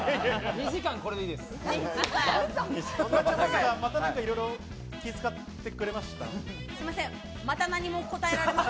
２時間これでいいです。